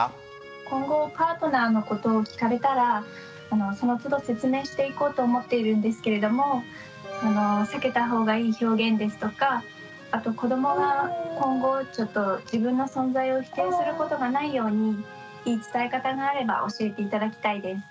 今後パートナーのことを聞かれたらそのつど説明していこうと思っているんですけれども避けたほうがいい表現ですとかあと子どもが今後自分の存在を否定することがないようにいい伝え方があれば教えて頂きたいです。